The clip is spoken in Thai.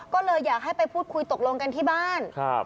ก็เลยอยากให้ไปพูดคุยตกลงกันที่บ้าน